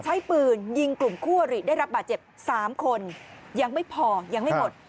ใช้ปืนยิงกลุ่มคู่อริได้รับบาดเจ็บ๓คนยังไม่พอยังไม่หมด